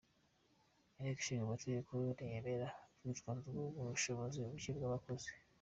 Inteko Ishingamategeko yo ntiyemera urwitwazo wr’ubushobozi bucye bw’abakozi.